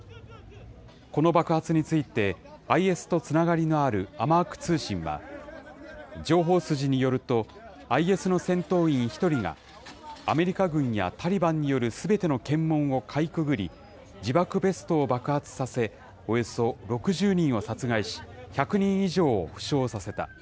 この爆発についてＩＳとつながりのあるアマーク通信は、情報筋によると、ＩＳの戦闘員１人が、アメリカ軍やタリバンによるすべての検問をかいくぐり、自爆ベストを爆発させ、およそ６０人を殺害し、１００人以上を負傷させた。